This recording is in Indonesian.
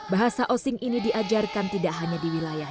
bahasa osing ini diajarkan tidak hanya di wilayah